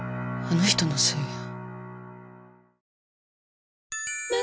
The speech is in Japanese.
あの人のせいよ。